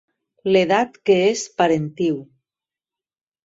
L'edat que és parentiu.